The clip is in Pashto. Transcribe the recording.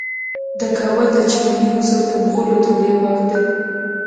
د کابل د چمن حضوري د مغلو دورې باغ دی